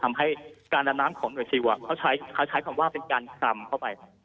ทำให้การดำน้ำของหน่วยซิลเขาใช้คำว่าเป็นการคลำเข้าไป